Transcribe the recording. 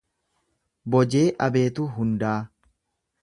Bojee Abeetuu Hundaa